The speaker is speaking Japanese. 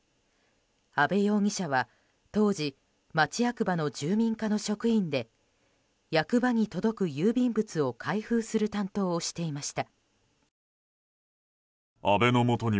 阿部容疑者は当時町役場の住民課の職員で役場に届く郵便物を開封する担当をしていました。